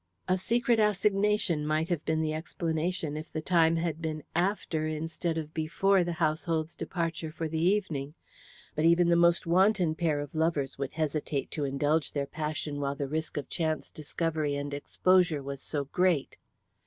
A secret assignation might have been the explanation if the time had been after, instead of before the household's departure for the evening. But even the most wanton pair of lovers would hesitate to indulge their passion while the risk of chance discovery and exposure was so great.